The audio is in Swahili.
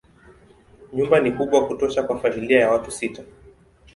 Nyumba ni kubwa kutosha kwa familia ya watu sita.